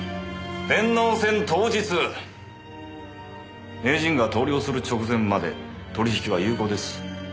電脳戦当日名人が投了する直前まで取引は有効です。